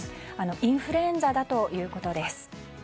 インフルエンザだということです。